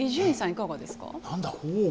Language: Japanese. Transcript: いかがですか？